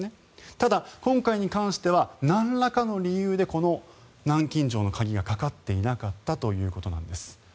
ただ今回に関してはなんらかの理由でこの南京錠の鍵がかかっていなかったということなんです。